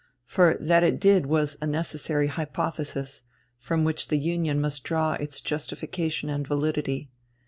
For that it did was a necessary hypothesis, from which the union must draw its justification and validity.